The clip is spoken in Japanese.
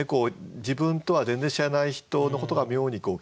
自分とは全然知らない人のことが妙に気になったりとか。